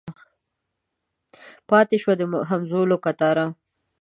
پاته شوي د همزولو د کتاره